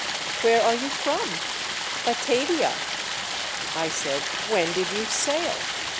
"Where are you from ?"" Batavia." I said, " When did you sail